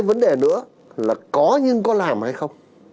còn hai vấn đề nữa là có nhưng có làm hay không